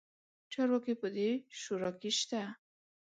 چارواکي په دې شورا کې شته.